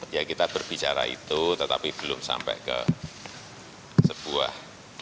ya kita berbicara itu tetapi belum sampai ke sebuah